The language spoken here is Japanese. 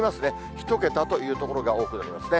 １桁という所が多くなりますね。